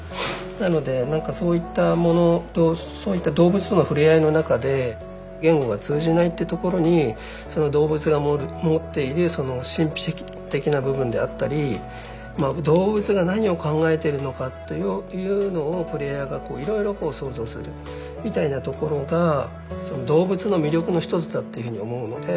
なので何かそういったものとそういった動物との触れ合いの中で言語が通じないってところにその動物が持っているその神秘的な部分であったりまあ動物が何を考えてるのかというのをプレイヤーがいろいろこう想像するみたいなところがその動物の魅力の一つだっていうふうに思うので。